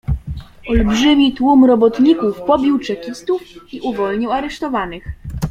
"Olbrzymi tłum robotników pobił czekistów i uwolnił aresztowanych."